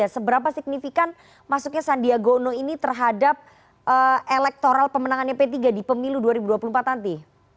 seberapa signifikan masuknya sandiagono ini terhadap elektoral pemenangannya p tiga di pemilu dua ribu dua puluh empat nanti